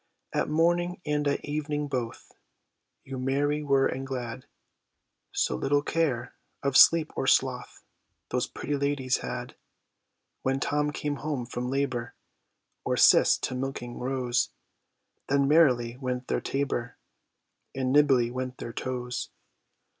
At morning and at evening both, You merry were and glad, So little care of sleep or sloth Those pretty ladies had. When Tom came home from labour, Or Cis to milking rose, Then merrily went their tabor, And nimbly went their toes.